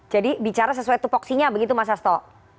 jadi bicara sesuai tupoksinya begitu mas asto